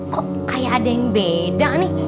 kok kayak ada yang beda nih